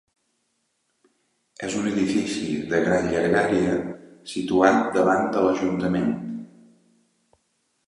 És un edifici de gran llargària situat davant de l'Ajuntament.